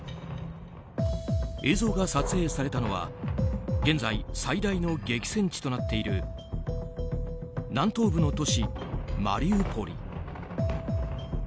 映像が撮影されたのは現在最大の激戦地となっている南東部の都市マリウポリ。